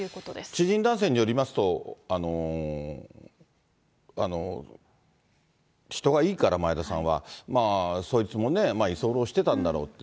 知人男性によりますと、人がいいから、前田さんは、そいつも居候してたんだろうって。